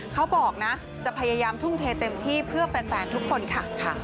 เขาบอกนะจะพยายามทุ่มเทเต็มที่เพื่อแฟนทุกคนค่ะ